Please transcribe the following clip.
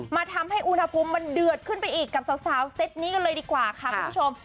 ทำให้อุณหภูมิมันเดือดขึ้นไปอีกกับสาวเซ็ตนี้กันเลยดีกว่าค่ะคุณผู้ชม